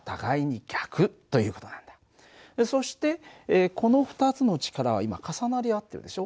そしてこの２つの力は今重なり合ってるでしょ。